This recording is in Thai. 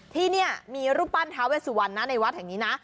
ที่นี่มีรูปปั้นท้าเวสุวรรณนะในวัดแห่งนี้นะ